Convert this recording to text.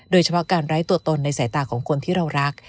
โดยเฉพาะการไร้ตัวตนในสายตาของคนที่เรารัก